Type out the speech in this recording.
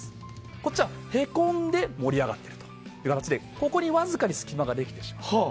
こっちは、へこんで盛り上がっているという形でここにわずかに隙間ができてしまう。